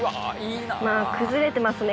まぁ崩れてますね